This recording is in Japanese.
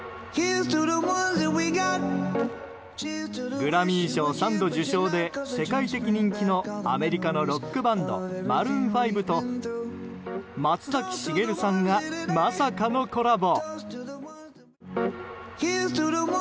グラミー賞３度受賞で世界的人気のアメリカのロックバンドマルーン５と松崎しげるさんがまさかのコラボ。